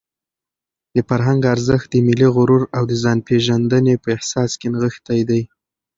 د فرهنګ ارزښت د ملي غرور او د ځانپېژندنې په احساس کې نغښتی دی.